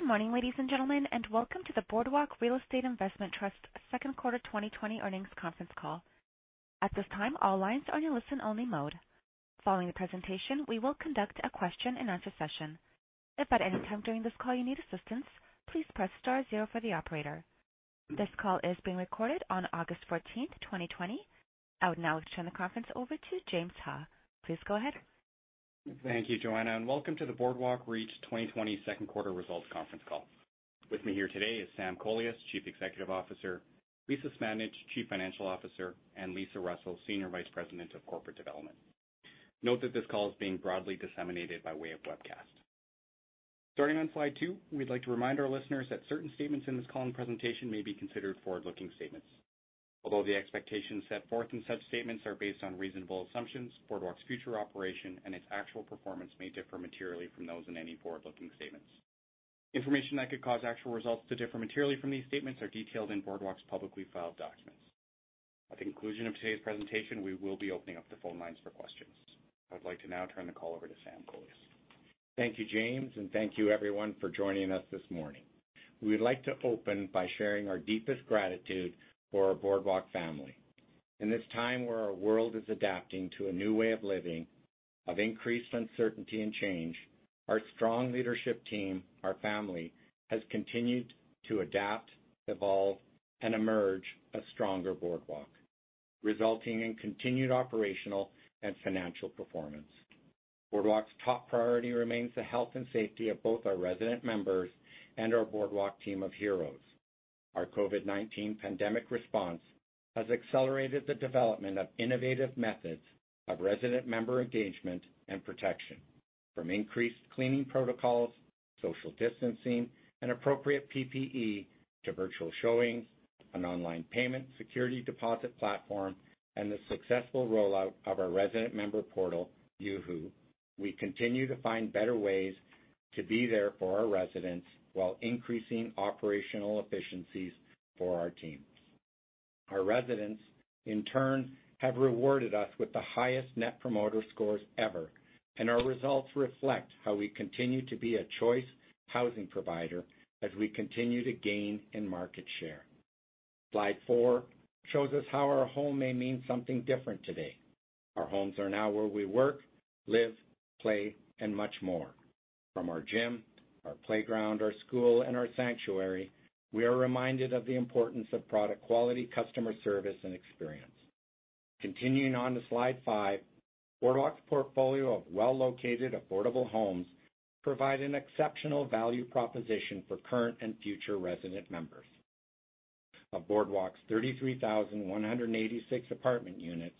Good morning, ladies and gentlemen, and welcome to the Boardwalk Real Estate Investment Trust second quarter 2020 earnings conference call. At this time, all lines are in listen-only mode. Following the presentation, we will conduct a question and answer session. If at any time during this call you need assistance, please press star zero for the operator. This call is being recorded on August 14th, 2020. I would now turn the conference over to James Ha. Please go ahead. Thank you, Joanna, and welcome to the Boardwalk REIT 2020 second quarter results conference call. With me here today is Sam Kolias, Chief Executive Officer, Lisa Smandych, Chief Financial Officer, and Lisa Russell, Senior Vice President of Corporate Development. Note that this call is being broadly disseminated by way of webcast. Starting on slide two, we'd like to remind our listeners that certain statements in this call and presentation may be considered forward-looking statements. Although the expectations set forth in such statements are based on reasonable assumptions, Boardwalk's future operation and its actual performance may differ materially from those in any forward-looking statements. Information that could cause actual results to differ materially from these statements are detailed in Boardwalk's publicly filed documents. At the conclusion of today's presentation, we will be opening up the phone lines for questions. I would like to now turn the call over to Sam Kolias. Thank you, James, and thank you, everyone, for joining us this morning. We would like to open by sharing our deepest gratitude for our Boardwalk family. In this time where our world is adapting to a new way of living, of increased uncertainty and change, our strong leadership team, our family, has continued to adapt, evolve, and emerge a stronger Boardwalk, resulting in continued operational and financial performance. Boardwalk's top priority remains the health and safety of both our resident members and our Boardwalk team of heroes. Our COVID-19 pandemic response has accelerated the development of innovative methods of resident member engagement and protection, from increased cleaning protocols, social distancing, and appropriate PPE to virtual showings, an online payment security deposit platform, and the successful rollout of our resident member portal, Yuhu. We continue to find better ways to be there for our residents while increasing operational efficiencies for our teams. Our residents, in turn, have rewarded us with the highest Net Promoter Score ever, and our results reflect how we continue to be a choice housing provider as we continue to gain in market share. Slide four shows us how our home may mean something different today. Our homes are now where we work, live, play, and much more. From our gym, our playground, our school, and our sanctuary, we are reminded of the importance of product quality, customer service, and experience. Continuing on to slide five, Boardwalk's portfolio of well-located affordable homes provide an exceptional value proposition for current and future resident members. Of Boardwalk's 33,186 apartment units,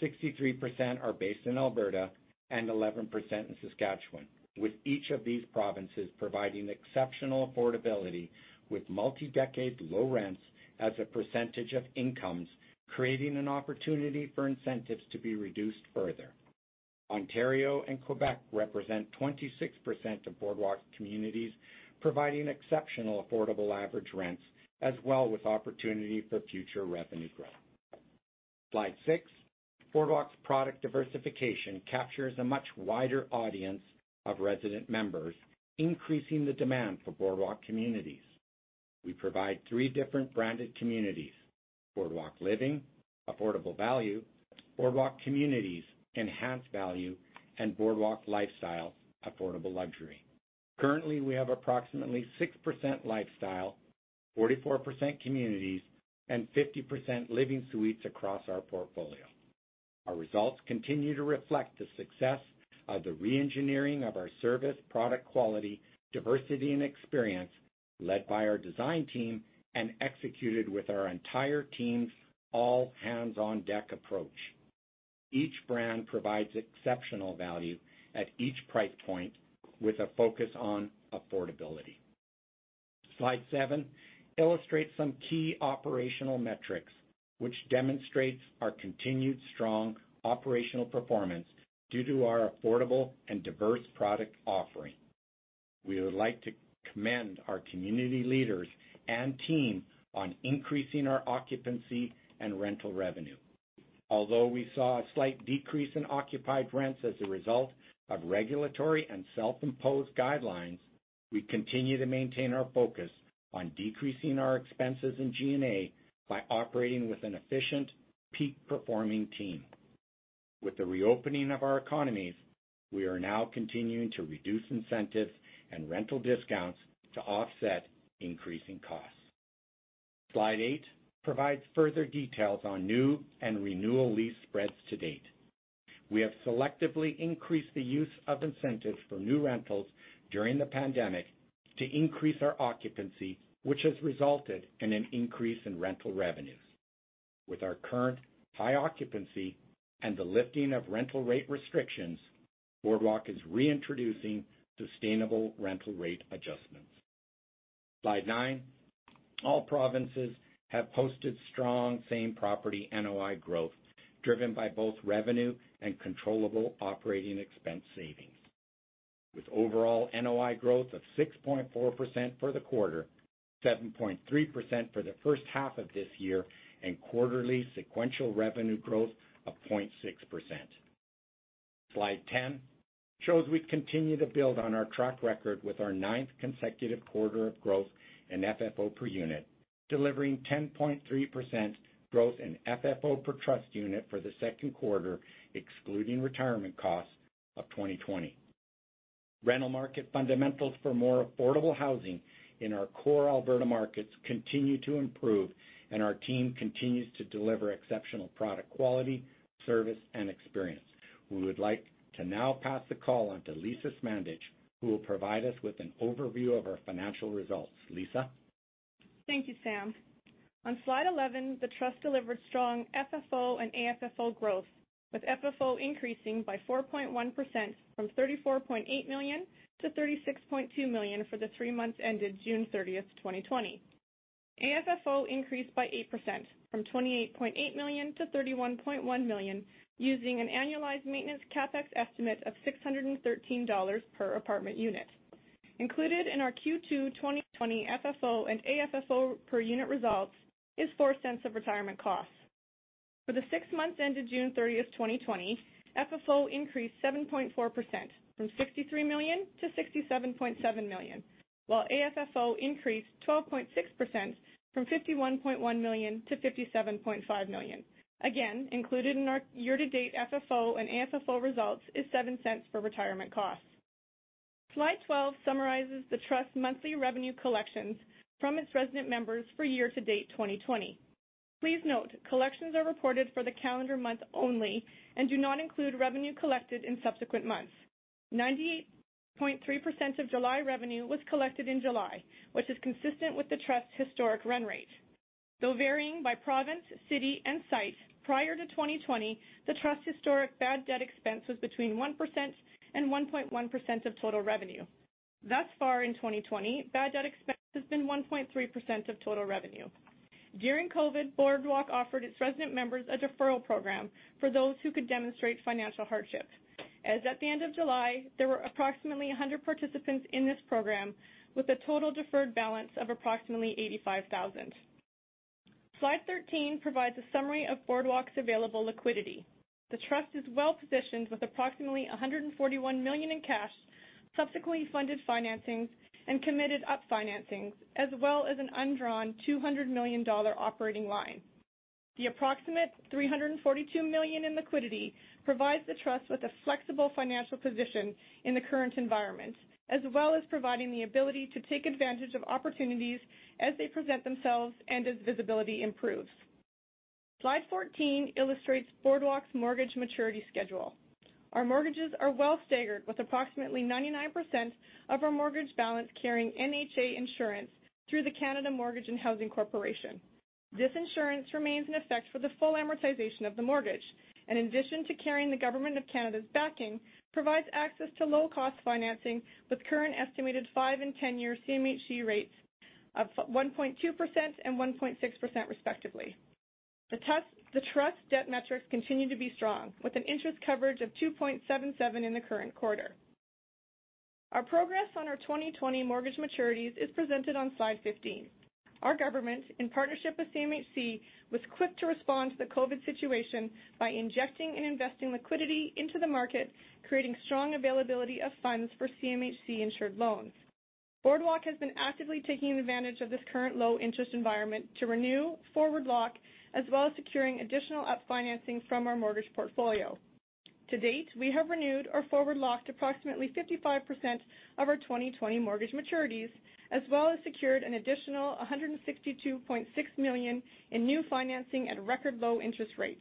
63% are based in Alberta and 11% in Saskatchewan, with each of these provinces providing exceptional affordability with multi-decade low rents as a percentage of incomes, creating an opportunity for incentives to be reduced further. Ontario and Quebec represent 26% of Boardwalk's Communities, providing exceptional affordable average rents, as well as opportunity for future revenue growth. Slide six. Boardwalk's product diversification captures a much wider audience of resident members, increasing the demand for Boardwalk Communities. We provide three different branded communities, Boardwalk Living, affordable value, Boardwalk Communities, enhanced value, and Boardwalk Lifestyle, affordable luxury. Currently, we have approximately 6% Lifestyle, 44% Communities, and 50% Living suites across our portfolio. Our results continue to reflect the success of the re-engineering of our service, product quality, diversity, and experience, led by our design team and executed with our entire team's all-hands-on-deck approach. Each brand provides exceptional value at each price point with a focus on affordability. Slide seven illustrates some key operational metrics, which demonstrates our continued strong operational performance due to our affordable and diverse product offering. We would like to commend our community leaders and team on increasing our occupancy and rental revenue. Although we saw a slight decrease in occupied rents as a result of regulatory and self-imposed guidelines, we continue to maintain our focus on decreasing our expenses in G&A by operating with an efficient peak-performing team. With the reopening of our economies, we are now continuing to reduce incentives and rental discounts to offset increasing costs. Slide eight provides further details on new and renewal lease spreads to date. We have selectively increased the use of incentives for new rentals during the pandemic to increase our occupancy, which has resulted in an increase in rental revenues. With our current high occupancy and the lifting of rental rate restrictions, Boardwalk is reintroducing sustainable rental rate adjustments. Slide nine. All provinces have posted strong same property NOI growth driven by both revenue and controllable operating expense savings, with overall NOI growth of 6.4% for the quarter, 7.3% for the first half of this year, and quarterly sequential revenue growth of 0.6%. Slide 10 shows we continue to build on our track record with our ninth consecutive quarter of growth in FFO per unit, delivering 10.3% growth in FFO per trust unit for the second quarter, excluding retirement costs of 2020. Rental market fundamentals for more affordable housing in our core Alberta markets continue to improve, our team continues to deliver exceptional product quality, service, and experience. We would like to now pass the call on to Lisa Smandych, who will provide us with an overview of our financial results. Lisa? Thank you, Sam. On slide 11, the trust delivered strong FFO and AFFO growth, with FFO increasing by 4.1%, from 34.8 million to 36.2 million for the three months ended June 30th, 2020. AFFO increased by 8%, from 28.8 million to 31.1 million using an annualized maintenance CapEx estimate of 613 dollars per apartment unit. Included in our Q2 2020 FFO and AFFO per unit results is 0.04 of retirement costs. For the six months ended June 30th, 2020, FFO increased 7.4%, from 63 million to 67.7 million, while AFFO increased 12.6%, from 51.1 million to 57.5 million. Again, included in our year-to-date FFO and AFFO results is 0.07 for retirement costs. Slide 12 summarizes the trust's monthly revenue collections from its resident members for year-to-date 2020. Please note, collections are reported for the calendar month only and do not include revenue collected in subsequent months. 90.3% of July revenue was collected in July, which is consistent with the trust's historic run rate. Though varying by province, city, and site, prior to 2020, the trust's historic bad debt expense was between 1% and 1.1% of total revenue. Thus far in 2020, bad debt expense has been 1.3% of total revenue. During COVID, Boardwalk offered its resident members a deferral program for those who could demonstrate financial hardship. As at the end of July, there were approximately 100 participants in this program, with a total deferred balance of approximately 85,000. Slide 13 provides a summary of Boardwalk's available liquidity. The trust is well-positioned with approximately 141 million in cash, subsequently funded financings, and committed up financings, as well as an undrawn 200 million dollar operating line. The approximate 342 million in liquidity provides the trust with a flexible financial position in the current environment, as well as providing the ability to take advantage of opportunities as they present themselves and as visibility improves. Slide 14 illustrates Boardwalk's mortgage maturity schedule. Our mortgages are well staggered with approximately 99% of our mortgage balance carrying NHA insurance through the Canada Mortgage and Housing Corporation. This insurance remains in effect for the full amortization of the mortgage, and in addition to carrying the government of Canada's backing, provides access to low-cost financing with current estimated five and 10-year CMHC rates of 1.2% and 1.6% respectively. The trust's debt metrics continue to be strong, with an interest coverage of 2.77 in the current quarter. Our progress on our 2020 mortgage maturities is presented on slide 15. Our government, in partnership with CMHC, was quick to respond to the COVID situation by injecting and investing liquidity into the market, creating strong availability of funds for CMHC-insured loans. Boardwalk has been actively taking advantage of this current low-interest environment to renew, forward lock, as well as securing additional up financing from our mortgage portfolio. To date, we have renewed or forward locked approximately 55% of our 2020 mortgage maturities, as well as secured an additional 162.6 million in new financing at record low-interest rates.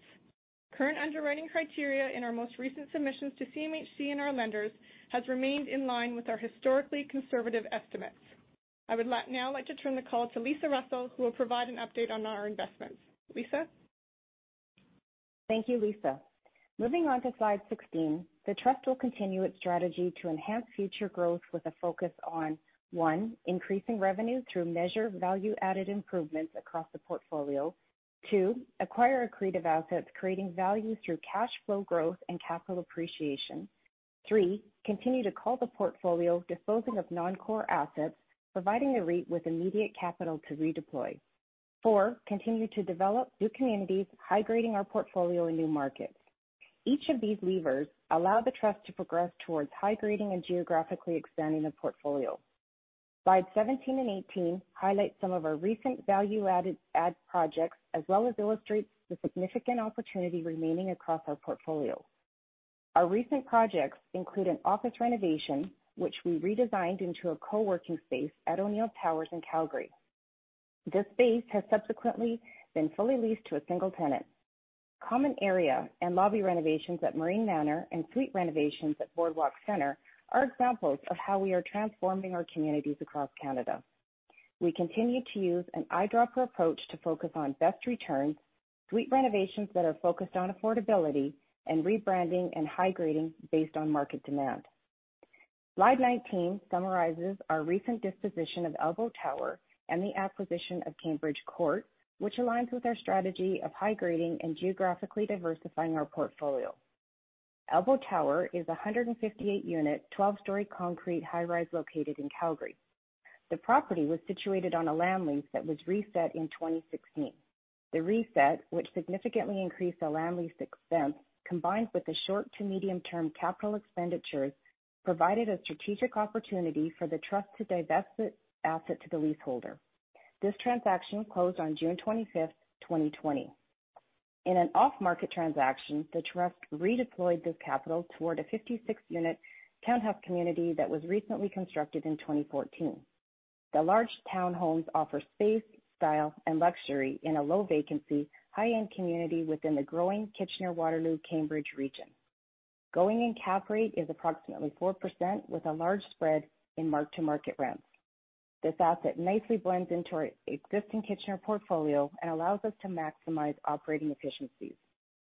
Current underwriting criteria in our most recent submissions to CMHC and our lenders has remained in line with our historically conservative estimates. I would now like to turn the call to Lisa Russell, who will provide an update on our investments. Lisa? Thank you, Lisa. Moving on to slide 16, the trust will continue its strategy to enhance future growth with a focus on, one, increasing revenue through measured value-added improvements across the portfolio. Two, acquire accretive assets, creating value through cash flow growth and capital appreciation. Three, continue to cull the portfolio, disposing of non-core assets, providing the REIT with immediate capital to redeploy. Four, continue to develop new communities, high-grading our portfolio in new markets. Each of these levers allow the trust to progress towards high-grading and geographically expanding the portfolio. Slides 17 and 18 highlight some of our recent value-add projects, as well as illustrates the significant opportunity remaining across our portfolio. Our recent projects include an office renovation, which we redesigned into a co-working space at O'Neil Tower in Calgary. This space has subsequently been fully leased to a single tenant. Common area and lobby renovations at Marlene Manor and suite renovations at Broadway Centre are examples of how we are transforming our communities across Canada. We continue to use an eyedropper approach to focus on best returns, suite renovations that are focused on affordability, and rebranding and high-grading based on market demand. Slide 19 summarizes our recent disposition of Elbow Tower and the acquisition of Cambridge Court, which aligns with our strategy of high-grading and geographically diversifying our portfolio. Elbow Tower is a 158-unit, 12-story concrete high-rise located in Calgary. The property was situated on a land lease that was reset in 2016. The reset, which significantly increased the land lease expense, combined with the short to medium term capital expenditures, provided a strategic opportunity for the trust to divest this asset to the leaseholder. This transaction closed on June 25th, 2020. In an off-market transaction, the trust redeployed this capital toward a 56-unit townhouse community that was recently constructed in 2014. The large townhomes offer space, style, and luxury in a low vacancy, high-end community within the growing Kitchener-Waterloo-Cambridge region. Going-in cap rate is approximately 4%, with a large spread in mark-to-market rents. This asset nicely blends into our existing Kitchener portfolio and allows us to maximize operating efficiencies.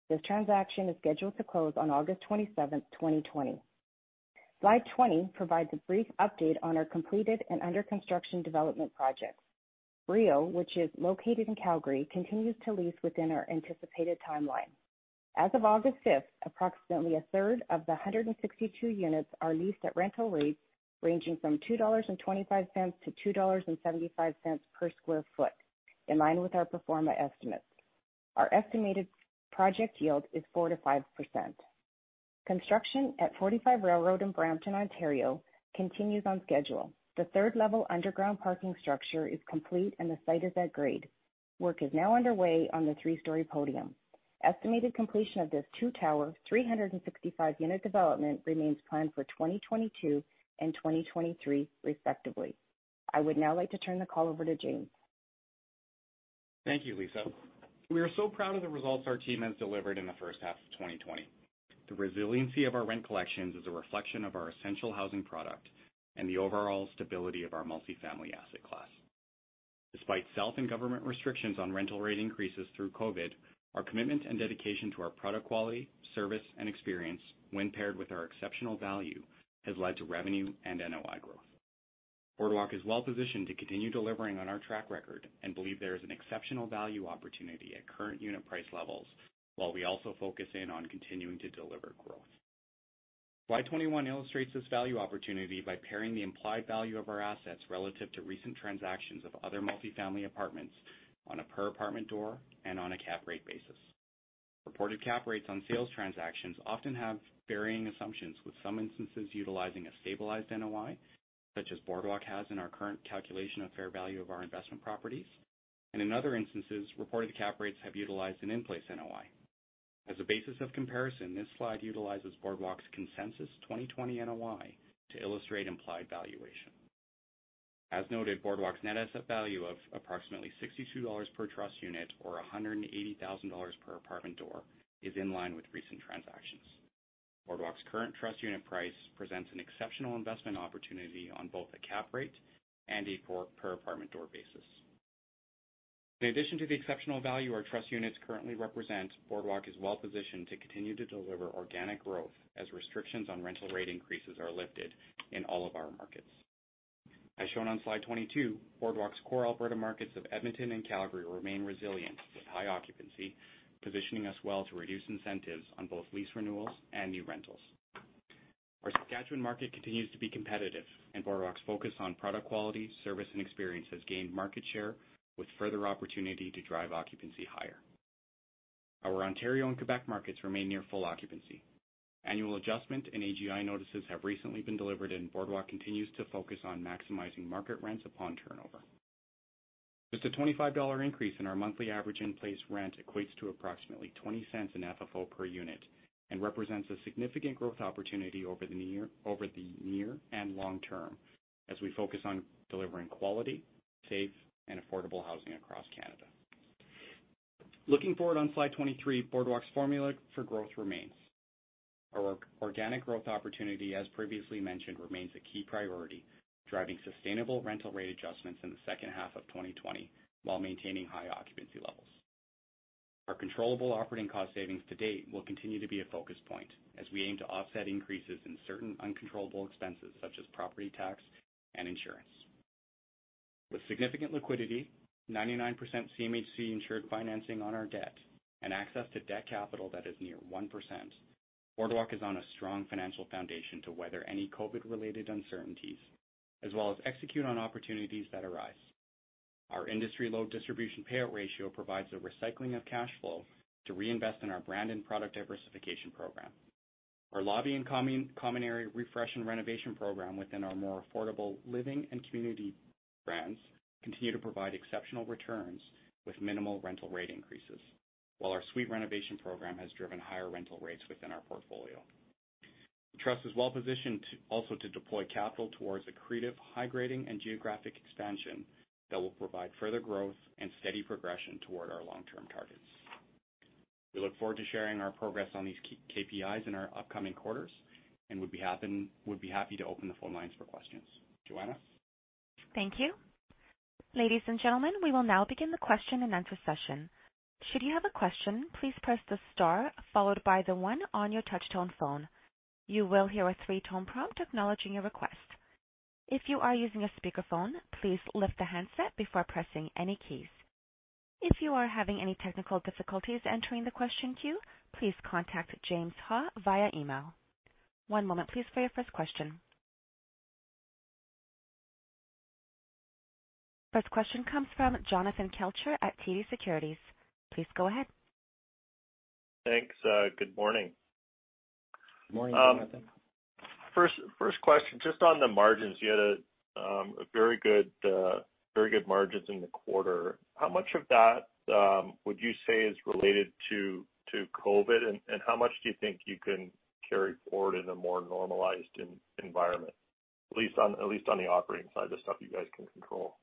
This transaction is scheduled to close on August 27th, 2020. Slide 20 provides a brief update on our completed and under construction development projects. Brio, which is located in Calgary, continues to lease within our anticipated timeline. As of August 5th, approximately a third of the 162 units are leased at rental rates ranging from 2.25-2.75 dollars per square foot, in line with our pro forma estimates. Our estimated project yield is 4%-5%. Construction at 45 Railroad in Brampton, Ontario, continues on schedule. The third-level underground parking structure is complete, and the site is at grade. Work is now underway on the three-story podium. Estimated completion of this two tower, 365-unit development remains planned for 2022 and 2023, respectively. I would now like to turn the call over to James. Thank you, Lisa. We are so proud of the results our team has delivered in the first half of 2020. The resiliency of our rent collections is a reflection of our essential housing product and the overall stability of our multifamily asset class. Despite self and government restrictions on rental rate increases through COVID-19, our commitment and dedication to our product quality, service, and experience, when paired with our exceptional value, has led to revenue and NOI growth. Boardwalk is well positioned to continue delivering on our track record and believe there is an exceptional value opportunity at current unit price levels, while we also focus in on continuing to deliver growth. Slide 21 illustrates this value opportunity by pairing the implied value of our assets relative to recent transactions of other multifamily apartments on a per apartment door and on a cap rate basis. Reported cap rates on sales transactions often have varying assumptions, with some instances utilizing a stabilized NOI, such as Boardwalk has in our current calculation of fair value of our investment properties. In other instances, reported cap rates have utilized an in-place NOI. As a basis of comparison, this slide utilizes Boardwalk's consensus 2020 NOI to illustrate implied valuation. As noted, Boardwalk's net asset value of approximately 62 dollars per trust unit, or 180,000 dollars per apartment door, is in line with recent transactions. Boardwalk's current trust unit price presents an exceptional investment opportunity on both a cap rate and a per apartment door basis. In addition to the exceptional value our trust units currently represent, Boardwalk is well positioned to continue to deliver organic growth as restrictions on rental rate increases are lifted in all of our markets. As shown on slide 22, Boardwalk's core Alberta markets of Edmonton and Calgary remain resilient with high occupancy, positioning us well to reduce incentives on both lease renewals and new rentals. Our Saskatchewan market continues to be competitive, and Boardwalk's focus on product quality, service, and experience has gained market share with further opportunity to drive occupancy higher. Our Ontario and Quebec markets remain near full occupancy. Annual adjustment and AGI notices have recently been delivered, and Boardwalk continues to focus on maximizing market rents upon turnover. Just a 25 dollar increase in our monthly average in-place rent equates to approximately 0.20 in FFO per unit and represents a significant growth opportunity over the near and long-term, as we focus on delivering quality, safe, and affordable housing across Canada. Looking forward on slide 23, Boardwalk's formula for growth remains. Our organic growth opportunity, as previously mentioned, remains a key priority, driving sustainable rental rate adjustments in the second half of 2020 while maintaining high occupancy levels. Our controllable operating cost savings to date will continue to be a focus point as we aim to offset increases in certain uncontrollable expenses such as property tax and insurance. With significant liquidity, 99% CMHC insured financing on our debt, and access to debt capital that is near 1%, Boardwalk is on a strong financial foundation to weather any COVID related uncertainties, as well as execute on opportunities that arise. Our industry low distribution payout ratio provides a recycling of cash flow to reinvest in our brand and product diversification program. Our lobby and common area refresh and renovation program within our more affordable Boardwalk Living and Boardwalk Communities brands continue to provide exceptional returns with minimal rental rate increases, while our suite renovation program has driven higher rental rates within our portfolio. The trust is well positioned also to deploy capital towards accretive, high grading and geographic expansion that will provide further growth and steady progression toward our long-term targets. We look forward to sharing our progress on these KPIs in our upcoming quarters and would be happy to open the phone lines for questions. Joanna? Thank you. Ladies and gentlemen we will now begin the question-and-answer session. Should you have a question please press the star followed by the one on your touchtone phone. You will hear a three tone prompt a acknowledging your request. If you are using a speaker phone please lift the handset before pressing any keys. If you are having any technical difficulties entering the question queue please contact James Ha via email. One moment please for your questions. First question comes from Jonathan Kelcher at TD Securities. Please go ahead. Thanks. Good morning. Good morning, Jonathan. First question, just on the margins. You had very good margins in the quarter. How much of that would you say is related to COVID? How much do you think you can carry forward in a more normalized environment, at least on the operating side, the stuff you guys can control?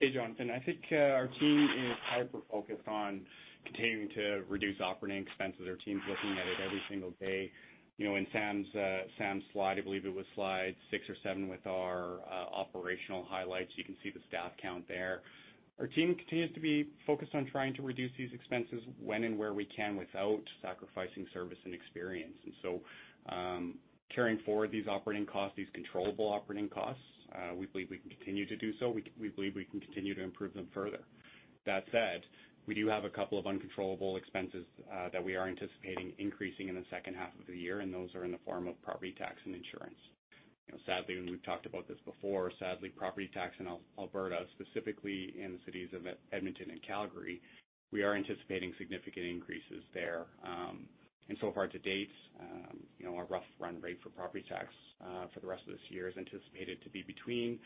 Hey, Jonathan. I think our team is hyper-focused on continuing to reduce operating expenses. Our team's looking at it every single day. In Sam's slide, I believe it was slide six or seven with our operational highlights, you can see the staff count there. Our team continues to be focused on trying to reduce these expenses when and where we can without sacrificing service and experience. Carrying forward these operating costs, these controllable operating costs, we believe we can continue to do so. We believe we can continue to improve them further. That said, we do have a couple of uncontrollable expenses that we are anticipating increasing in the second half of the year, and those are in the form of property tax and insurance. We've talked about this before. Sadly, property tax in Alberta, specifically in the cities of Edmonton and Calgary, we are anticipating significant increases there. So far to date, our rough run rate for property tax for the rest of this year is anticipated to be between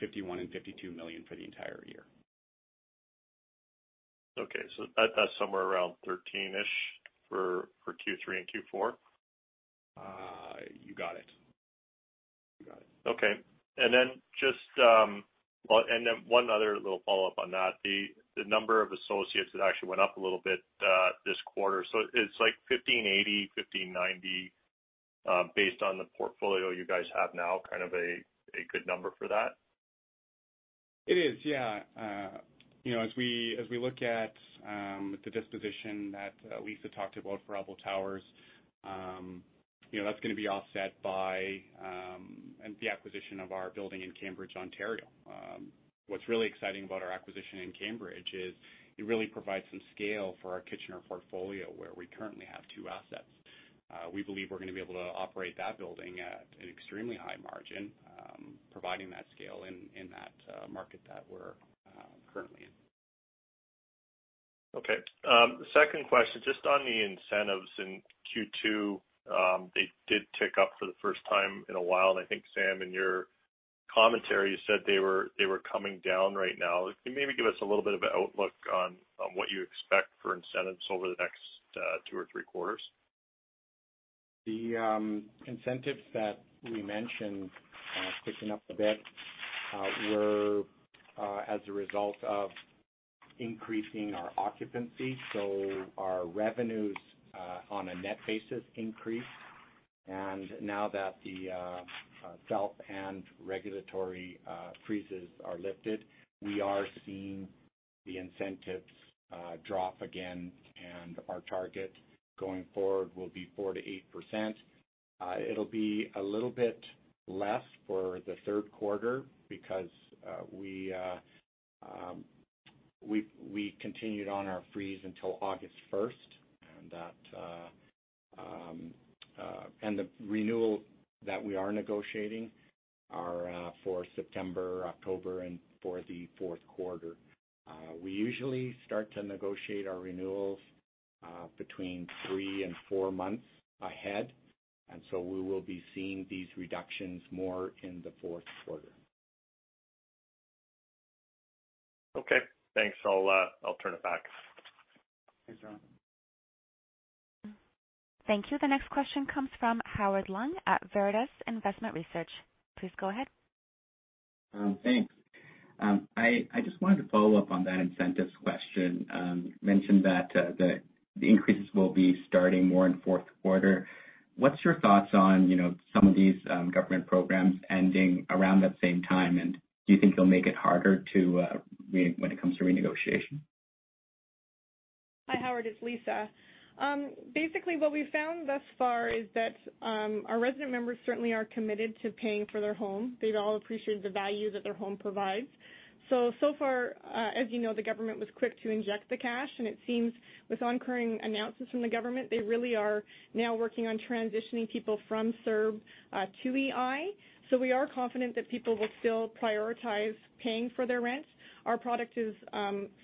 51 million and 52 million for the entire year. Okay. That's somewhere around 13-ish for Q3 and Q4? You got it. Okay. One other little follow-up on that. The number of associates that actually went up a little bit this quarter. Is 1580, 1590, based on the portfolio you guys have now, kind of a good number for that? It is. As we look at the disposition that Lisa talked about for Elbow Tower, that's going to be offset by the acquisition of our building in Cambridge, Ontario. What's really exciting about our acquisition in Cambridge is it really provides some scale for our Kitchener portfolio where we currently have two assets. We believe we're going to be able to operate that building at an extremely high margin, providing that scale in that market that we're currently in. Okay. Second question, just on the incentives in Q2. They did tick up for the first time in a while, and I think, Sam, in your commentary, you said they were coming down right now. Can you maybe give us a little bit of an outlook on what you expect for incentives over the next two or three quarters? The incentives that we mentioned ticking up a bit were as a result of increasing our occupancy. Our revenues on a net basis increased. Now that the CELTP and regulatory freezes are lifted, we are seeing the incentives drop again, and our target going forward will be 4%-8%. It'll be a little bit less for the third quarter because we continued on our freeze until August 1st. The renewal that we are negotiating are for September, October, and for the fourth quarter. We usually start to negotiate our renewals between three and four months ahead, we will be seeing these reductions more in the fourth quarter. Okay, thanks. I'll turn it back. Thanks, Jonathan. Thank you. The next question comes from Howard Leung at Veritas Investment Research. Please go ahead. Thanks. I just wanted to follow up on that incentives question. You mentioned that the increases will be starting more in fourth quarter. What's your thoughts on some of these government programs ending around that same time, and do you think it'll make it harder when it comes to renegotiation? Hi, Howard, it's Lisa. Basically, what we've found thus far is that our resident members certainly are committed to paying for their home. They all appreciate the value that their home provides. So far, as you know, the government was quick to inject the cash, and it seems with ongoing announcements from the government, they really are now working on transitioning people from CERB to EI. We are confident that people will still prioritize paying for their rent. Our product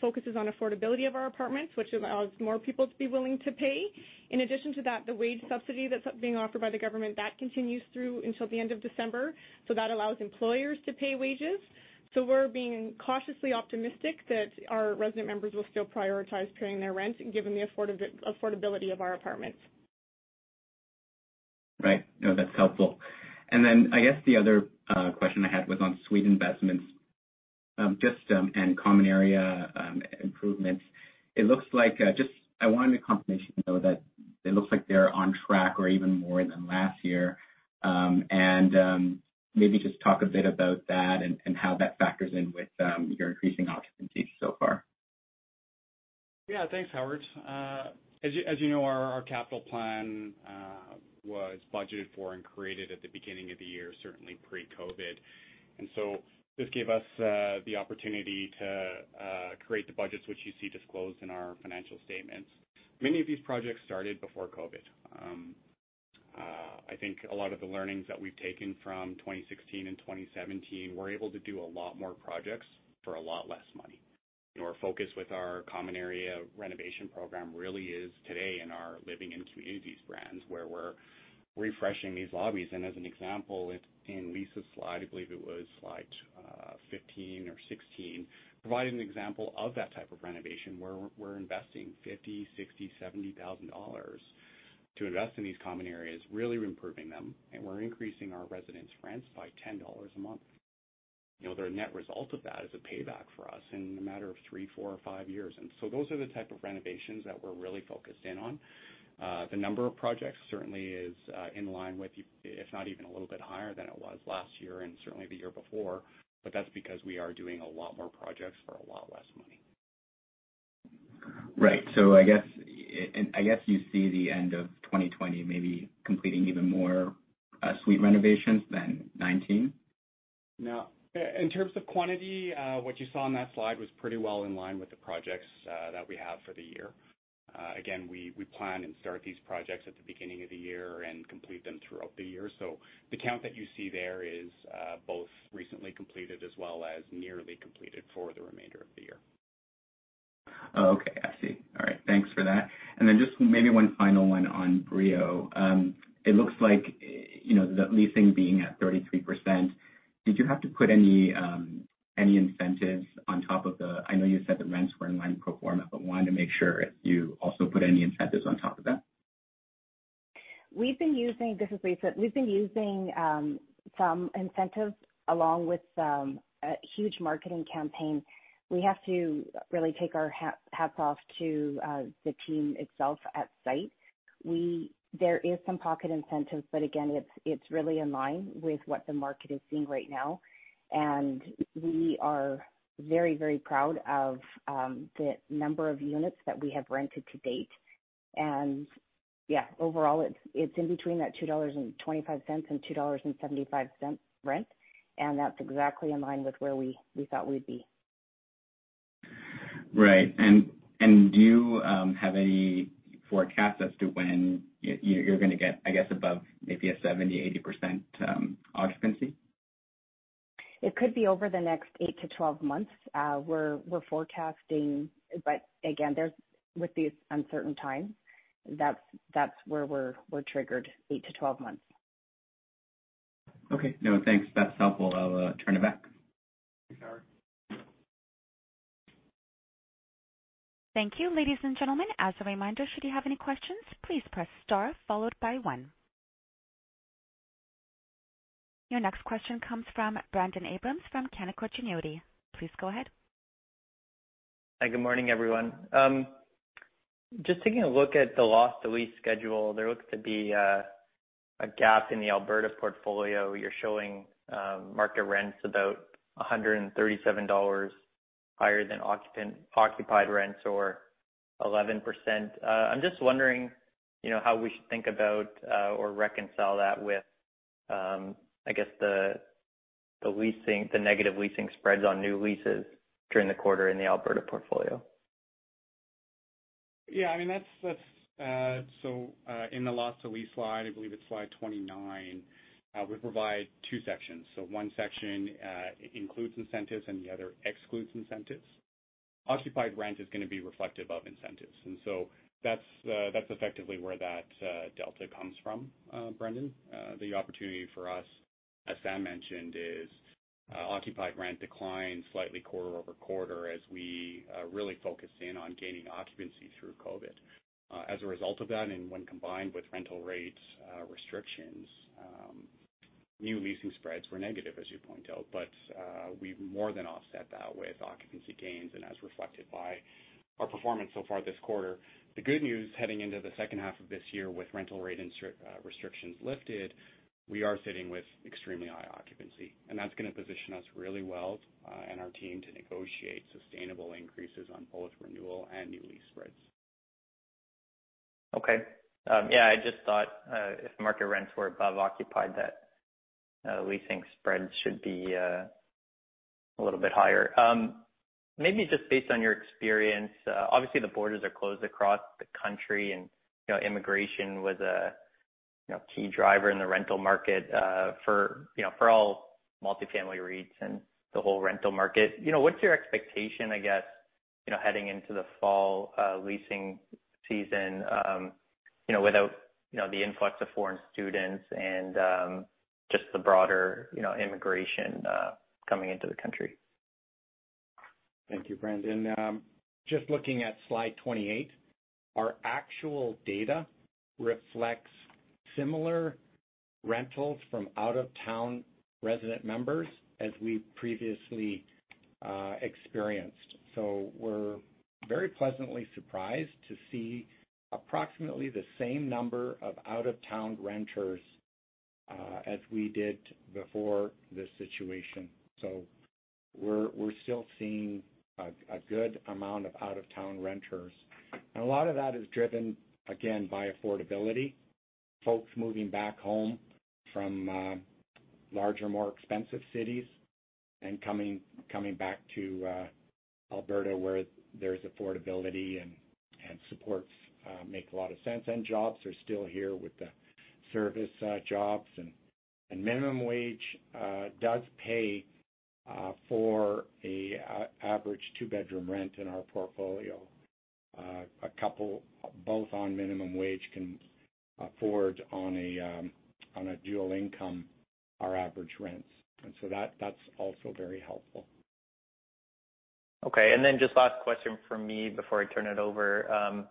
focuses on affordability of our apartments, which allows more people to be willing to pay. In addition to that, the wage subsidy that's being offered by the government, that continues through until the end of December. That allows employers to pay wages. We're being cautiously optimistic that our resident members will still prioritize paying their rent given the affordability of our apartments. Right. No, that's helpful. I guess the other question I had was on suite investments and common area improvements. I wanted a confirmation, though, that it looks like they're on track or even more than last year. Maybe just talk a bit about that and how that factors in with your increasing occupancy so far. Yeah. Thanks, Howard. As you know, our capital plan was budgeted for and created at the beginning of the year, certainly pre-COVID. This gave us the opportunity to create the budgets which you see disclosed in our financial statements. Many of these projects started before COVID. I think a lot of the learnings that we've taken from 2016 and 2017, we're able to do a lot more projects for a lot less money. Our focus with our common area renovation program really is today in our Boardwalk Living, Boardwalk Communities brands, where we're refreshing these lobbies. As an example, in Lisa's slide, I believe it was slide 15 or 16, provided an example of that type of renovation, where we're investing 50,000, 60,000, 70,000 dollars to invest in these common areas. Really improving them, and we're increasing our residents' rents by 10 dollars a month. The net result of that is a payback for us in a matter of three, four or five years. Those are the type of renovations that we're really focused in on. The number of projects certainly is in line with, if not even a little bit higher than it was last year and certainly the year before. That's because we are doing a lot more projects for a lot less money. Right. I guess you see the end of 2020 maybe completing even more suite renovations than 2019? No. In terms of quantity, what you saw on that slide was pretty well in line with the projects that we have for the year. Again, we plan and start these projects at the beginning of the year and complete them throughout the year. The count that you see there is both recently completed as well as nearly completed for the remainder of the year. Oh, okay. I see. All right. Thanks for that. Then just maybe one final one on Brio. It looks like the leasing being at 33%, did you have to put any incentives on top of the I know you said the rents were in line with pro forma, but wanted to make sure if you also put any incentives on top of that. This is Lisa. We've been using some incentives along with a huge marketing campaign. We have to really take our hats off to the team itself at site. There is some pocket incentives, but again, it's really in line with what the market is seeing right now. We are very proud of the number of units that we have rented to date. Yeah, overall, it's in between that 2.25 dollars and 2.75 dollars rent, and that's exactly in line with where we thought we'd be. Right. Do you have any forecast as to when you're going to get above maybe a 70%, 80% occupancy? It could be over the next 8-12 months. We're forecasting, but again, with these uncertain times, that's where we're triggered, 8-12 months. Okay. No, thanks. That's helpful. I'll turn it back. Thanks, Howard. Thank you. Ladies and gentlemen, as a reminder, should you have any questions. Your next question comes from Brendon Abrams from Canaccord Genuity. Please go ahead. Hi, good morning, everyone. Just taking a look at the loss to lease schedule, there looks to be a gap in the Alberta portfolio. You're showing market rents about 137 dollars higher than occupied rents or 11%. I'm just wondering how we should think about or reconcile that with, I guess, the negative leasing spreads on new leases during the quarter in the Alberta portfolio. Yeah. In the loss to lease slide, I believe it's slide 29, we provide two sections. One section includes incentives and the other excludes incentives. Occupied rent is going to be reflective of incentives, and so that's effectively where that delta comes from, Brendon. The opportunity for us, as Sam mentioned, is occupied rent declined slightly quarter-over-quarter as we really focus in on gaining occupancy through COVID-19. As a result of that, and when combined with rental rates restrictions, new leasing spreads were negative, as you point out. We've more than offset that with occupancy gains and as reflected by our performance so far this quarter. The good news heading into the second half of this year with rental rate restrictions lifted, we are sitting with extremely high occupancy, and that's going to position us really well, and our team, to negotiate sustainable increases on both renewal and new lease spreads. Okay. Yeah, I just thought if market rents were above occupied, that leasing spreads should be a little bit higher. Maybe just based on your experience, obviously the borders are closed across the country and immigration was a key driver in the rental market for all multifamily REITs and the whole rental market. What's your expectation, I guess, heading into the fall leasing season without the influx of foreign students and just the broader immigration coming into the country? Thank you, Brendon. Just looking at slide 28, our actual data reflects similar rentals from out-of-town resident members as we previously experienced. We're very pleasantly surprised to see approximately the same number of out-of-town renters. As we did before this situation. We're still seeing a good amount of out-of-town renters. A lot of that is driven, again, by affordability, folks moving back home from larger, more expensive cities and coming back to Alberta where there's affordability and supports make a lot of sense, and jobs are still here with the service jobs. Minimum wage does pay for an average two-bedroom rent in our portfolio. A couple both on minimum wage can afford on a dual income our average rents. That's also very helpful. Okay. Then just last question from me before I turn it over.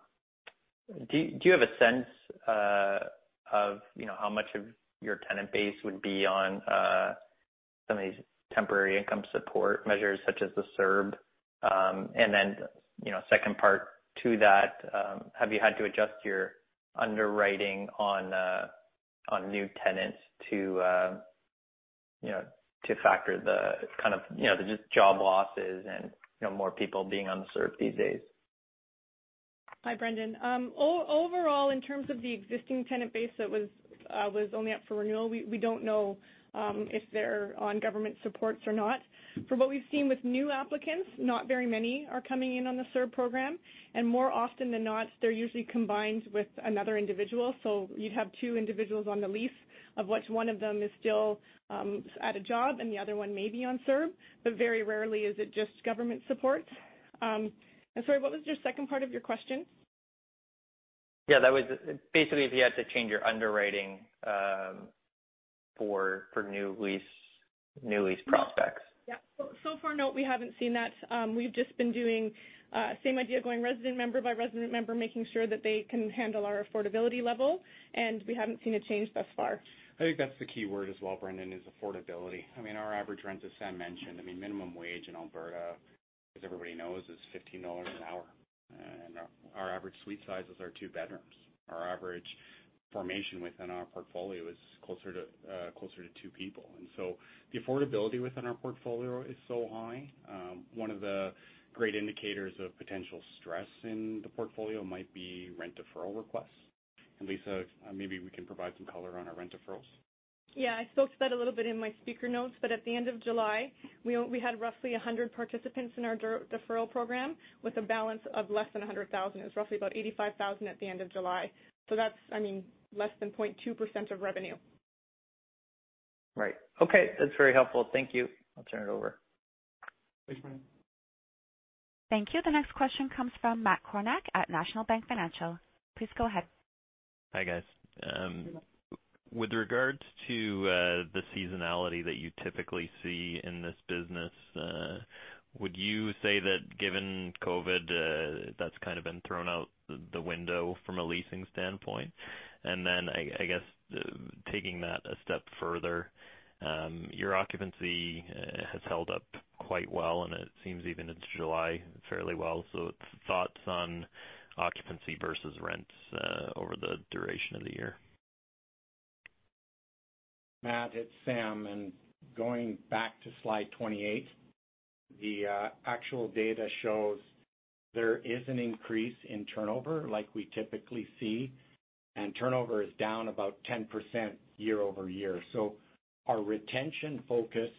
Do you have a sense of how much of your tenant base would be on some of these temporary income support measures, such as the CERB? Then, second part to that, have you had to adjust your underwriting on new tenants to factor the just job losses and more people being on the CERB these days? Hi, Brendon. Overall, in terms of the existing tenant base that was only up for renewal, we don't know if they're on government supports or not. From what we've seen with new applicants, not very many are coming in on the CERB program. More often than not, they're usually combined with another individual. You'd have two individuals on the lease of which one of them is still at a job and the other one may be on CERB. Very rarely is it just government support. I'm sorry, what was your second part of your question? Yeah, that was basically if you had to change your underwriting for new lease prospects. Yeah. So far, no, we haven't seen that. We've just been doing same idea going resident member by resident member, making sure that they can handle our affordability level, and we haven't seen a change thus far. I think that's the key word as well, Brendon, is affordability. Our average rents, as Sam mentioned, minimum wage in Alberta, as everybody knows, is 15 dollars an hour. Our average suite sizes are two bedrooms. Our average formation within our portfolio is closer to two people. The affordability within our portfolio is so high. One of the great indicators of potential stress in the portfolio might be rent deferral requests. Lisa, maybe we can provide some color on our rent deferrals. Yeah, I spoke to that a little bit in my speaker notes. At the end of July, we had roughly 100 participants in our deferral program with a balance of less than 100,000. It was roughly about 85,000 at the end of July. That's less than 0.2% of revenue. Right. Okay. That's very helpful. Thank you. I'll turn it over. Thanks, Brendon. Thank you. The next question comes from Matt Kornack at National Bank Financial. Please go ahead. Hi, guys. With regards to the seasonality that you typically see in this business, would you say that given COVID, that's kind of been thrown out the window from a leasing standpoint? Then, I guess taking that a step further, your occupancy has held up quite well, and it seems even into July fairly well. Thoughts on occupancy versus rents over the duration of the year? Matt, it's Sam. Going back to slide 28, the actual data shows there is an increase in turnover like we typically see, turnover is down about 10% year-over-year. Our retention focus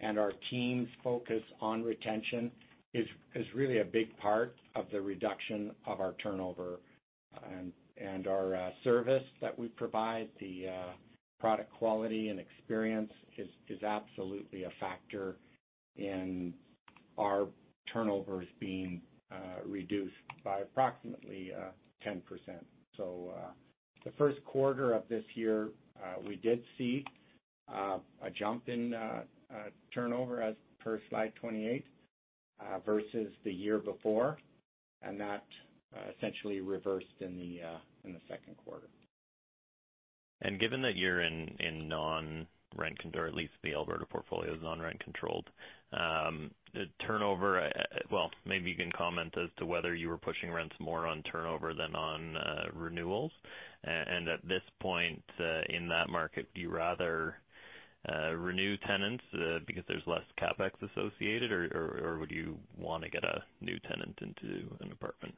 and our team's focus on retention is really a big part of the reduction of our turnover. Our service that we provide, the product quality and experience is absolutely a factor in our turnovers being reduced by approximately 10%. The first quarter of this year, we did see a jump in turnover as per slide 28 versus the year before, that essentially reversed in the second quarter. Given that you're in non-rent, or at least the Alberta portfolio is non-rent controlled. Well, maybe you can comment as to whether you were pushing rents more on turnover than on renewals. At this point in that market, do you rather renew tenants because there's less CapEx associated, or would you want to get a new tenant into an apartment?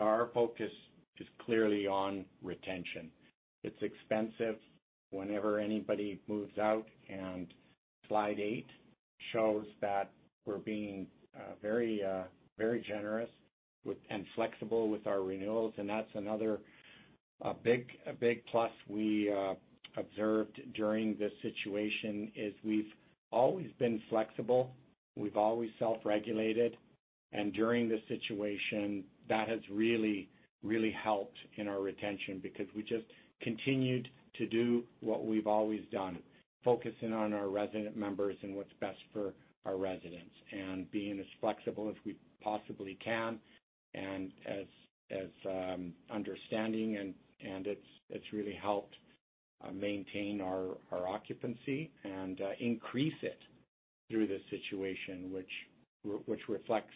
Our focus is clearly on retention. It's expensive whenever anybody moves out, and slide eight shows that we're being very generous with and flexible with our renewals. That's another big plus we observed during this situation is we've always been flexible, we've always self-regulated. During this situation, that has really helped in our retention because we just continued to do what we've always done, focusing on our resident members and what's best for our residents, and being as flexible as we possibly can and as understanding, and it's really helped maintain our occupancy and increase it. Through this situation, which reflects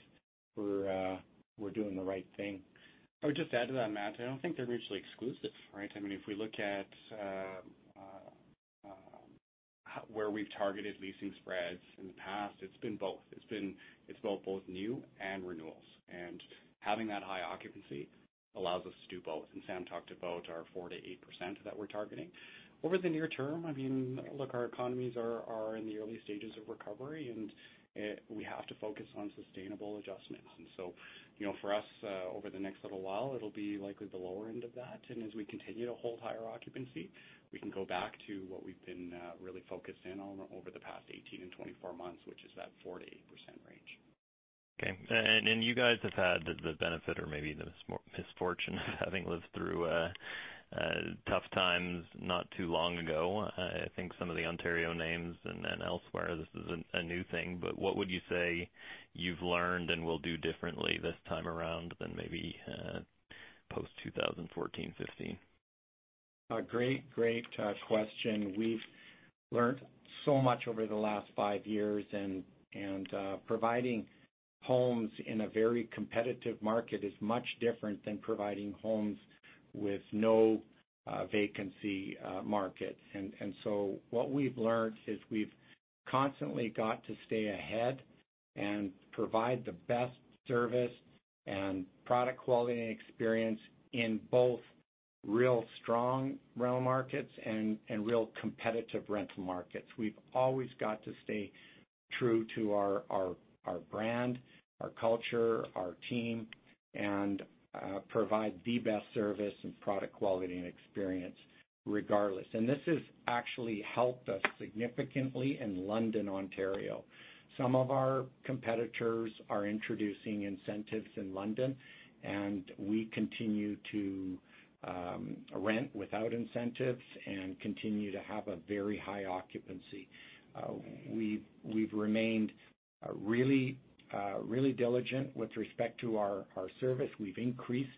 we're doing the right thing. I would just add to that, Matt, I don't think they're mutually exclusive, right? If we look at where we've targeted leasing spreads in the past, it's been both. It's been both new and renewals. Having that high occupancy allows us to do both. Sam talked about our 4%-8% that we're targeting. Over the near term, our economies are in the early stages of recovery, and we have to focus on sustainable adjustments. For us, over the next little while, it'll be likely the lower end of that. As we continue to hold higher occupancy, we can go back to what we've been really focused in on over the past 18 and 24 months, which is that 4%-8% range. Okay. You guys have had the benefit or maybe the misfortune of having lived through tough times not too long ago. I think some of the Ontario names and then elsewhere, this is a new thing. What would you say you've learned and will do differently this time around than maybe post 2014, 2015? A great question. We've learned so much over the last five years, and providing homes in a very competitive market is much different than providing homes with no-vacancy markets. What we've learned is we've constantly got to stay ahead and provide the best service and product quality and experience in both real strong rental markets and real competitive rental markets. We've always got to stay true to our brand, our culture, our team, and provide the best service and product quality and experience regardless. This has actually helped us significantly in London, Ontario. Some of our competitors are introducing incentives in London, and we continue to rent without incentives and continue to have a very high occupancy. We've remained really diligent with respect to our service. We've increased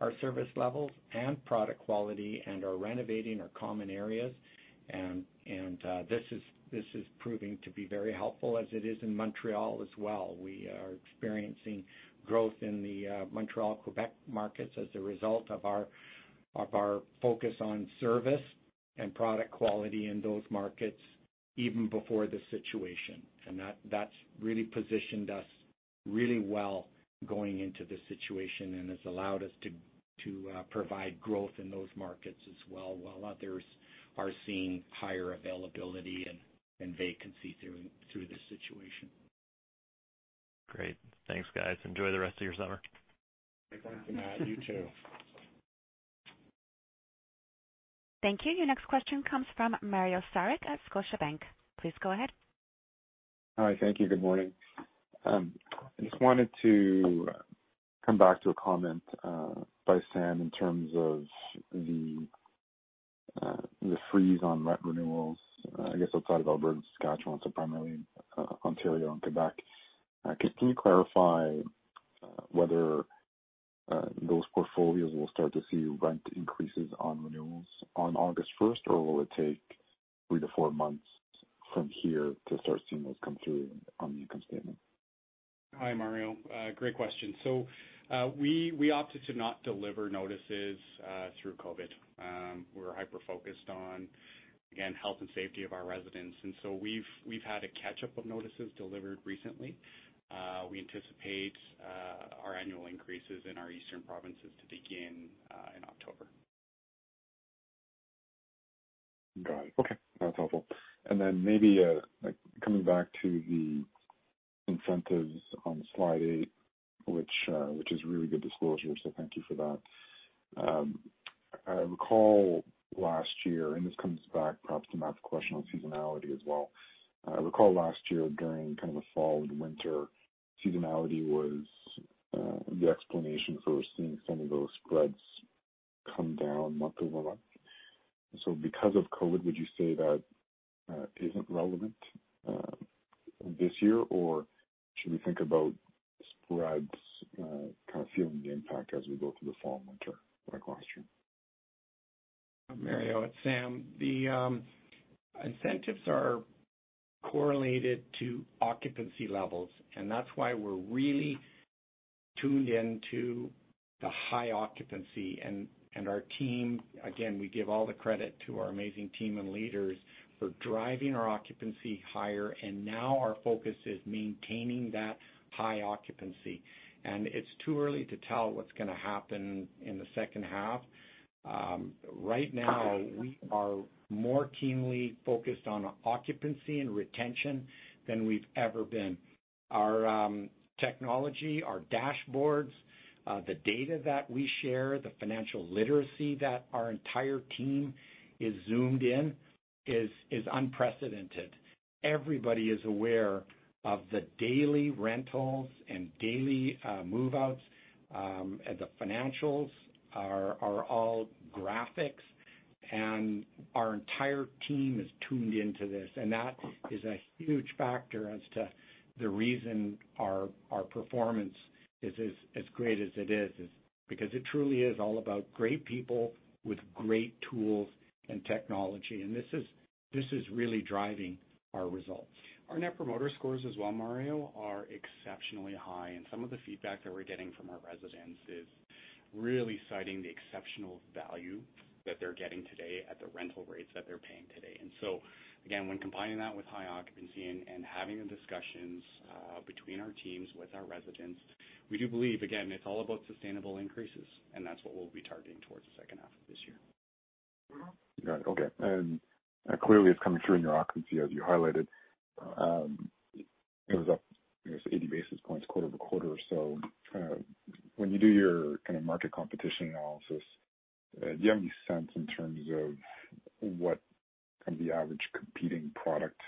our service levels and product quality and are renovating our common areas. This is proving to be very helpful as it is in Montreal as well. We are experiencing growth in the Montreal, Quebec markets as a result of our focus on service and product quality in those markets even before this situation. That's really positioned us really well going into this situation and has allowed us to provide growth in those markets as well, while others are seeing higher availability and vacancy through this situation. Great. Thanks, guys. Enjoy the rest of your summer. Thanks, Matt. You too. Thank you. Your next question comes from Mario Saric at Scotiabank. Please go ahead. Hi. Thank you. Good morning. I just wanted to come back to a comment by Sam in terms of the freeze on rent renewals, I guess outside of Alberta and Saskatchewan, so primarily Ontario and Quebec. Can you clarify whether those portfolios will start to see rent increases on renewals on August 1st, or will it take three to four months from here to start seeing those come through on the income statement? Hi, Mario. Great question. We opted to not deliver notices through COVID. We were hyper-focused on, again, health and safety of our residents. We've had a catch-up of notices delivered recently. We anticipate our annual increases in our eastern provinces to begin in October. Got it. Okay. That's helpful. Maybe coming back to the incentives on slide eight, which is really good disclosure, so thank you for that. I recall last year, and this comes back perhaps to Matt's question on seasonality as well. I recall last year during kind of the fall and winter, seasonality was the explanation for seeing some of those spreads come down month-over-month. Because of COVID, would you say that isn't relevant this year, or should we think about spreads kind of feeling the impact as we go through the fall and winter? Great question. Mario, it's Sam. The incentives are correlated to occupancy levels, and that's why we're really tuned into the high occupancy. Our team, again, we give all the credit to our amazing team and leaders for driving our occupancy higher, and now our focus is maintaining that high occupancy. It's too early to tell what's going to happen in the second half. Right now, we are more keenly focused on occupancy and retention than we've ever been. Our technology, our dashboards, the data that we share, the financial literacy that our entire team is zoomed in is unprecedented. Everybody is aware of the daily rentals and daily move-outs. The financials are all graphics. Our entire team is tuned into this, and that is a huge factor as to the reason our performance is as great as it is, because it truly is all about great people with great tools and technology. This is really driving our results. Our Net Promoter Score as well, Mario, are exceptionally high. Some of the feedback that we're getting from our residents is really citing the exceptional value that they're getting today at the rental rates that they're paying today. Again, when combining that with high occupancy and having the discussions between our teams with our residents, we do believe, again, it's all about sustainable increases, and that's what we'll be targeting towards the second half of this year. Got it. Okay. Clearly it's coming through in your occupancy, as you highlighted. It was up, I guess, 80 basis points quarter-over-quarter or so. When you do your kind of market competition analysis, do you have any sense in terms of what kind of the average competing product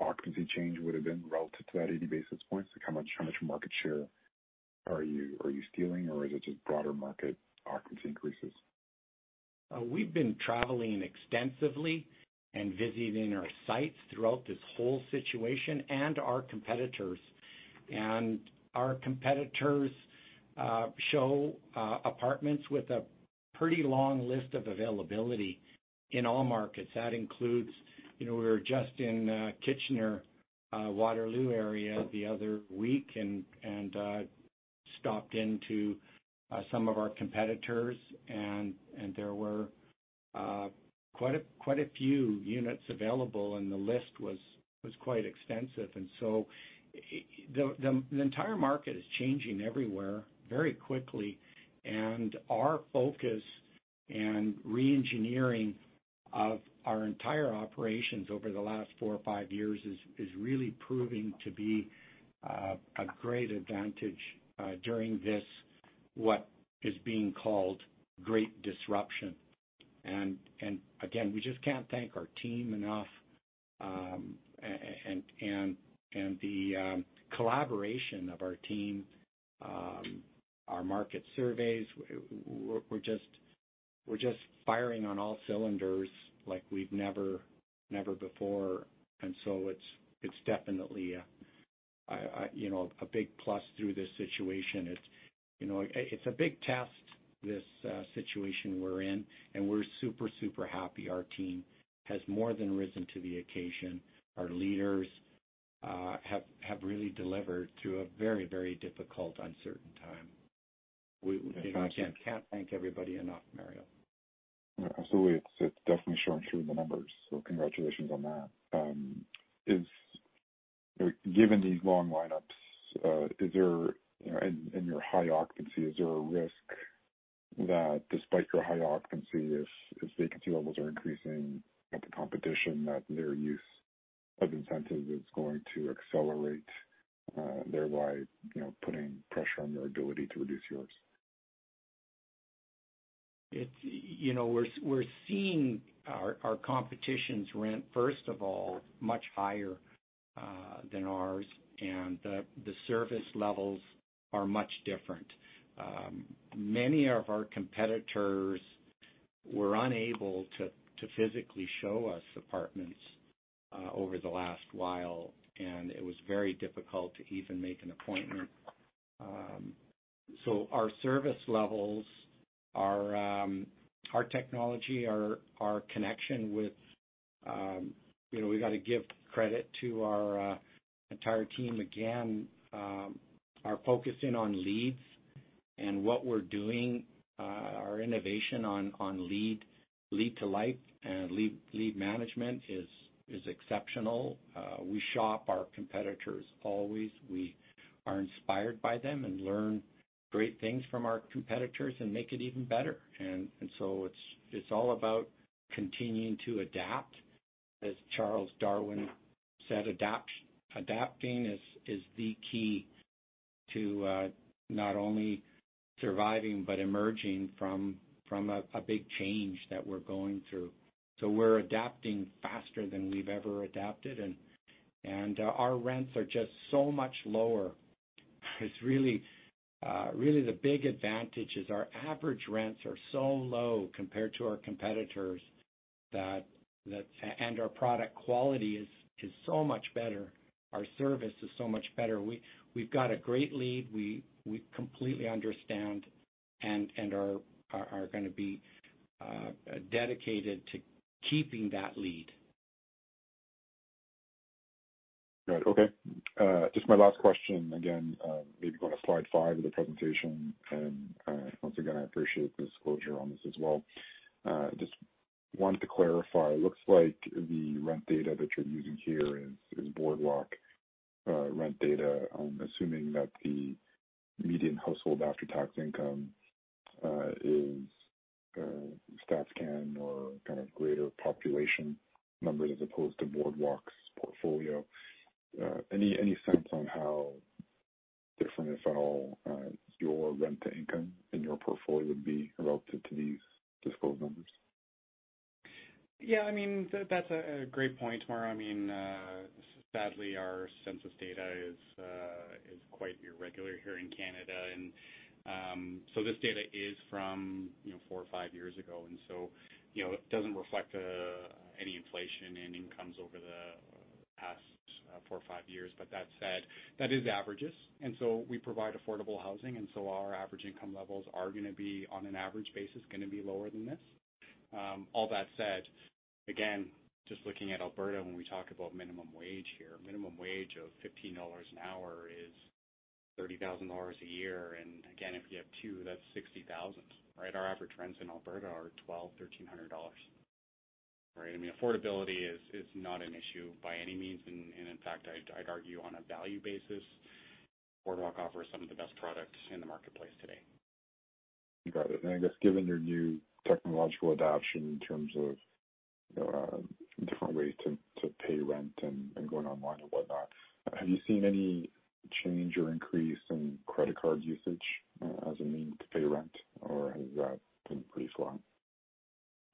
occupancy change would've been relative to that 80 basis points? How much market share are you stealing, or is it just broader market occupancy increases? We've been traveling extensively and visiting our sites throughout this whole situation, and our competitors. Our competitors show apartments with a pretty long list of availability in all markets. That includes, we were just in Kitchener, Waterloo area the other week and stopped into some of our competitors, and there were quite a few units available, and the list was quite extensive. The entire market is changing everywhere very quickly. Our focus and re-engineering of our entire operations over the last four or five years is really proving to be a great advantage during this, what is being called great disruption. Again, we just can't thank our team enough. The collaboration of our team, our market surveys, we're just firing on all cylinders like we've never before. It's definitely a big plus through this situation. It's a big test, this situation we're in, and we're super happy our team has more than risen to the occasion. Our leaders have really delivered through a very difficult, uncertain time. Fantastic. We can't thank everybody enough, Mario. Absolutely. It's definitely showing through the numbers. Congratulations on that. Given these long lineups, in your high occupancy, is there a risk that despite your high occupancy, if vacancy levels are increasing at the competition, that their use of incentives is going to accelerate, thereby putting pressure on your ability to reduce yours? We're seeing our competition's rent, first of all, much higher than ours, and the service levels are much different. Many of our competitors were unable to physically show us apartments over the last while, and it was very difficult to even make an appointment. Our service levels, our technology. We've got to give credit to our entire team, again. Our focusing on leads and what we're doing, our innovation on lead to lease and lead management is exceptional. We shop our competitors always. We are inspired by them and learn great things from our competitors and make it even better. It's all about continuing to adapt. As Charles Darwin said, "Adapting is the key to not only surviving but emerging from a big change that we're going through." We're adapting faster than we've ever adapted, and our rents are just so much lower. It's really the big advantage is our average rents are so low compared to our competitors, and our product quality is so much better. Our service is so much better. We've got a great lead. We completely understand and are going to be dedicated to keeping that lead. Good. Okay. Just my last question, again, maybe going to slide five of the presentation. Once again, I appreciate the disclosure on this as well. Just wanted to clarify, it looks like the rent data that you're using here is Boardwalk rent data. I'm assuming that the median household after-tax income is StatsCan or kind of greater population numbers as opposed to Boardwalk's portfolio. Any sense on how different, if at all, your rent-to-income in your portfolio would be relative to these disclosed numbers? Yeah, that's a great point, Mario. Sadly, our census data is quite irregular here in Canada. This data is from four or five years ago. It doesn't reflect any inflation in incomes over the past four or five years. That said, that is averages. We provide affordable housing, and so our average income levels are, on an average basis, going to be lower than this. All that said, again, just looking at Alberta, when we talk about minimum wage here, minimum wage of 15 dollars an hour is 30,000 dollars a year. Again, if you have two, that's 60,000, right? Our average rents in Alberta are 1,200 dollars, CAD 1,300. Affordability is not an issue by any means. In fact, I'd argue on a value basis, Boardwalk offers some of the best product in the marketplace today. Got it. I guess given your new technological adoption in terms of different ways to pay rent and going online and whatnot, have you seen any change or increase in credit card usage as a means to pay rent, or has that been pretty slow?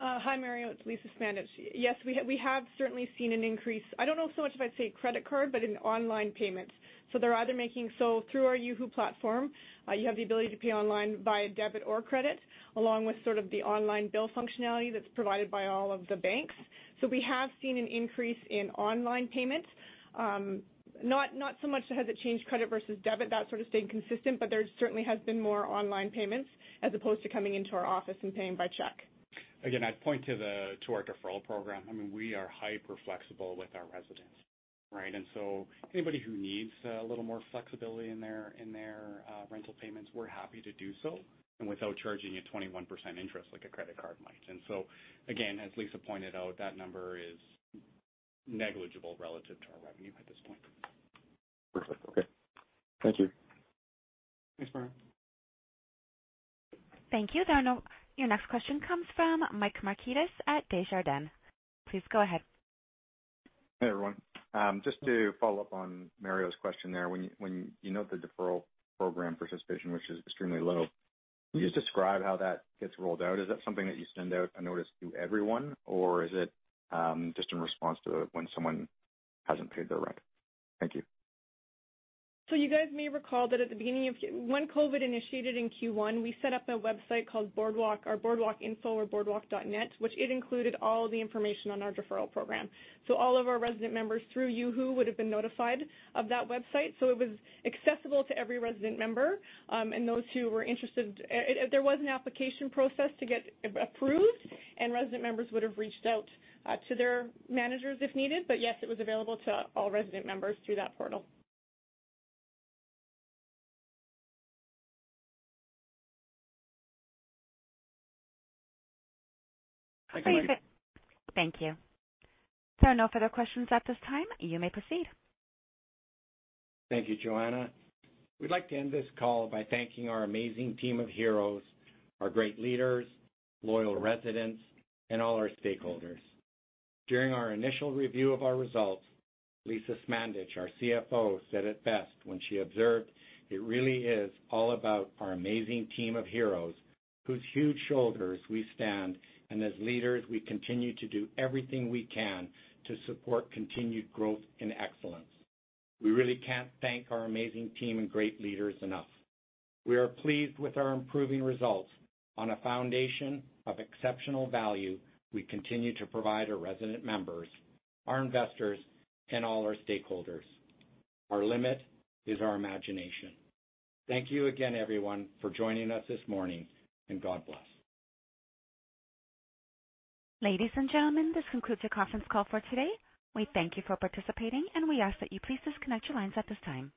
Hi, Mario. It's Lisa Smandych. Yes, we have certainly seen an increase, I don't know so much if I'd say credit card, but in online payments. Through our Yuhu platform, you have the ability to pay online via debit or credit, along with sort of the online bill functionality that's provided by all of the banks. We have seen an increase in online payments. Not so much that has it changed credit versus debit, that's sort of stayed consistent, but there certainly has been more online payments as opposed to coming into our office and paying by check. I'd point to our deferral program. We are hyper-flexible with our residents. Anybody who needs a little more flexibility in their rental payments, we're happy to do so, and without charging you 21% interest like a credit card might. As Lisa pointed out, that number is negligible relative to our revenue at this point. Perfect. Okay. Thank you. Thanks, Mario. Thank you. Your next question comes from Mike Markidis at Desjardins. Please go ahead. Hey, everyone. Just to follow up on Mario's question there. When you note the deferral program participation, which is extremely low, can you just describe how that gets rolled out? Is that something that you send out a notice to everyone, or is it just in response to when someone hasn't paid their rent? Thank you. You guys may recall that when COVID initiated in Q1, we set up a website called Boardwalk, or boardwalkinfo or bwalk.com, which it included all the information on our deferral program. All of our resident members through Yuhu would've been notified of that website. It was accessible to every resident member, and those who were interested. There was an application process to get approved, and resident members would've reached out to their managers if needed. Yes, it was available to all resident members through that portal. Thank you. Thank you. There are no further questions at this time. You may proceed. Thank you, Joanna. We'd like to end this call by thanking our amazing team of heroes, our great leaders, loyal residents, and all our stakeholders. During our initial review of our results, Lisa Smandych, our CFO, said it best when she observed, it really is all about our amazing team of heroes whose huge shoulders we stand, and as leaders, we continue to do everything we can to support continued growth and excellence. We really can't thank our amazing team and great leaders enough. We are pleased with our improving results. On a foundation of exceptional value, we continue to provide our resident members, our investors, and all our stakeholders. Our limit is our imagination. Thank you again, everyone, for joining us this morning, and God bless. Ladies and gentlemen, this concludes your conference call for today. We thank you for participating, and we ask that you please disconnect your lines at this time.